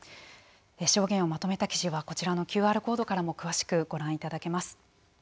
証言をまとめた記事はこちらのＱＲコードからも詳しくご覧いただけます。